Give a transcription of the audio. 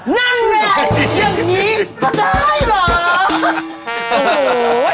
นั่นแหละอย่างนี้ก็ได้เหรอ